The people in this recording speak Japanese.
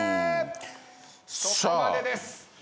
そこまでです。